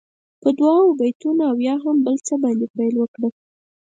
په دعاوو، بېتونو او یا هم په بل څه باندې پیل وکړه.